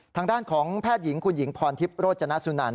ทางด้านของแพทย์หญิงคุณหญิงพรทิพย์โรจนสุนัน